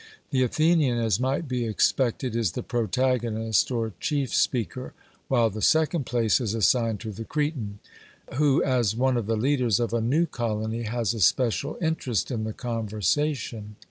The Athenian, as might be expected, is the protagonist or chief speaker, while the second place is assigned to the Cretan, who, as one of the leaders of a new colony, has a special interest in the conversation.